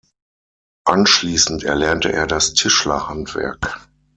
Anschließend erlernte er das Tischlerhandwerk.